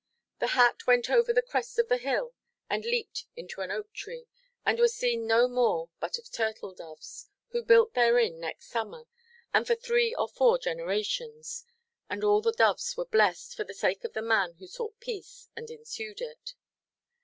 The hat went over the crest of the hill, and leaped into an oak–tree, and was seen no more but of turtle–doves, who built therein next summer, and for three or four generations; and all the doves were blessed, for the sake of the man who sought peace and ensued it.